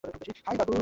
High, Babu.